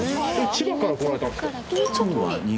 千葉から来られたんですか？